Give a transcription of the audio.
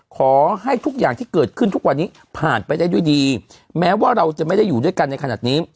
ขอให้ทุกอย่างที่เกิดขึ้นทุกวันนี้ผ่านไปได้ด้วยดีแม้ว่าเราจะไม่ได้อยู่ด้วยกันในขณะนี้